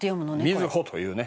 瑞秀というね。